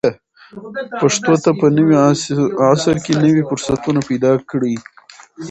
پښتو ته په نوي عصر کې نوي فرصتونه پیدا کړئ.